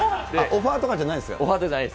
オファーじゃないです。